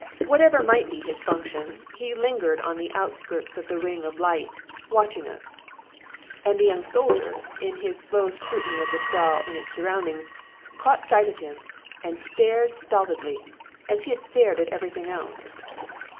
Whatever might be his function, he lingered on the outskirts of the ring of light, watching us; and the young soldier, in his slow scrutiny of the stall and its surroundings, caught sight of him, and stared stolidly, as he had stared at everything else.